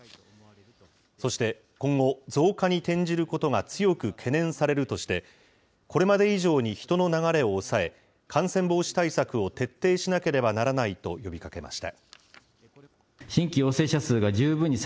そして今後、増加に転じることが強く懸念されるとして、これまで以上に人の流れを抑え、感染防止対策を徹底しなければならないと呼びかけました。